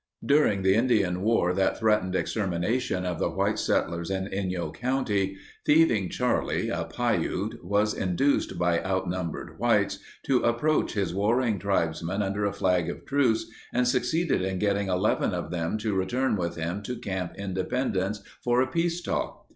During the Indian war that threatened extermination of the white settlers in Inyo county, Thieving Charlie, a Piute, was induced by outnumbered whites to approach his warring tribesmen under a flag of truce and succeeded in getting eleven of them to return with him to Camp Independence for a peace talk.